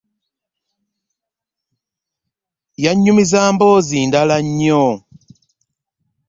Yamunyumiza mboozi ndala nnyo.